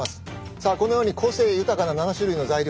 さあこのように個性豊かな７種類の材料をね